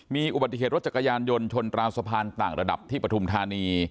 มีอุบัติเหตุรถจักรยานยนต์ชนราวสะพานต่างระดับที่ปฐุมธานี